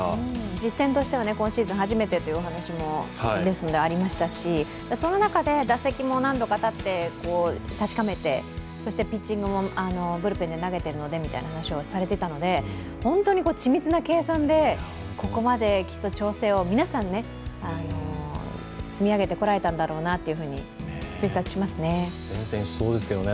実戦としては今シーズン初めてというお話もありましたし、その中で打席も何度か立って、確かめてそしてピッチングもブルペンで投げてるのでという話もされていたので本当に緻密な計算でここまできっと調整を皆さん、積み上げてこられたんだろうなと善戦しそうですけどね。